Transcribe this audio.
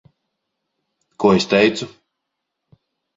Ko es teicu?